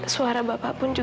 suara bapak pun juga